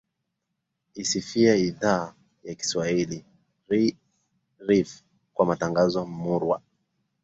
isifia idhaa ya kiswahili rfi kwa matangazo murwa